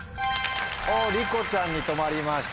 りこちゃんに止まりました。